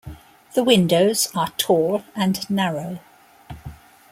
The windows are tall and narrow.